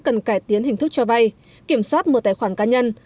cần cải tiến hình thức cho vay kiểm soát mở tài khoản cá nhân